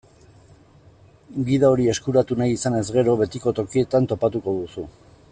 Gida hori eskuratu nahi izanez gero, betiko tokietan topatuko duzu.